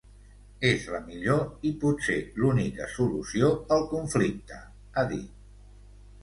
És la millor, i potser l’única, solució al conflicte, ha dit.